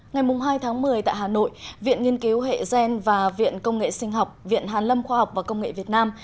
ngày hai tháng một mươi tại hà nội viện nghiên cứu hệ gen và viện công nghệ sinh học viện hàn lâm khoa học và công nghệ việt nam